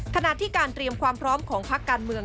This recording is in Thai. ขณะที่การเตรียมความพร้อมของพักการเมือง